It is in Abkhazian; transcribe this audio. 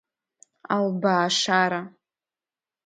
Албаашара…